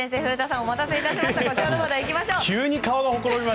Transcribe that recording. お待たせいたしました。